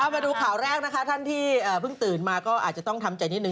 มาดูข่าวแรกนะคะท่านที่เพิ่งตื่นมาก็อาจจะต้องทำใจนิดนึ